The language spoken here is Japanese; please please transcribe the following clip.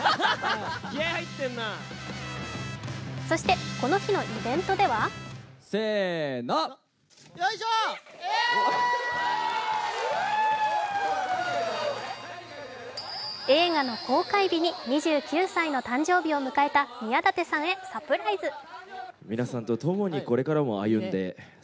そして、この日のイベントでは映画の公開日に２９歳の誕生日を迎えた宮舘さんへサプライズ。